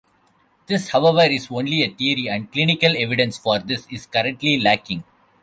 This, however, is only a theory, and clinical evidence for this is currently lacking.